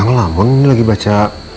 ngelamun lagi baca